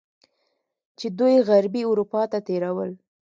چې دوی غربي اروپا ته تیرول.